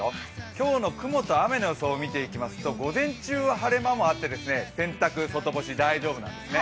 今日の雲と雨の予想を見ていきますと午前中は晴れ間もあって洗濯、外干し大丈夫なんですね。